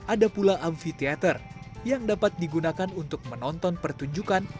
ada pula amfiteater yang dapat digunakan untuk menonton pertunjukan